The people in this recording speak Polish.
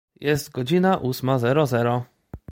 Jest godzina ósma zero zero.